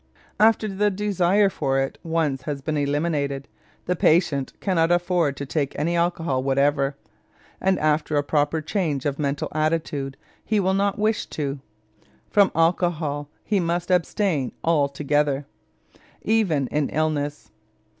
After the desire for it has once been eliminated, the patient cannot afford to take any alcohol whatever, and after a proper change of mental attitude he will not wish to. From alcohol he must abstain altogether, even in illness.